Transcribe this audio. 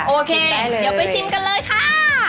โอเคเดี๋ยวไปชิมกันเลยค่ะ